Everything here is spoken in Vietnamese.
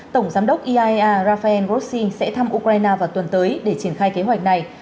tổng giám đốc iaea rafael grossin sẽ thăm ukraine vào tuần tới để triển khai kế hoạch này